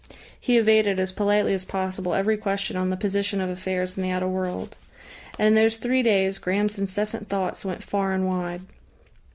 He evaded, as politely as possible, every question on the position of affairs in the outer world. And in those three days Graham's incessant thoughts went far and wide.